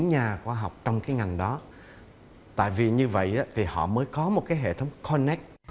các nhà khoa học trong cái ngành đó tại vì như vậy thì họ mới có một cái hệ thống connect